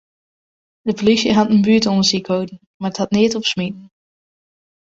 De polysje hat in buertûndersyk hâlden, mar dat hat neat opsmiten.